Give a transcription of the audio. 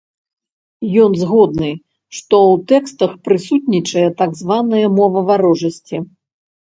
Ён згодны, што ў тэкстах прысутнічае так званая мова варожасці.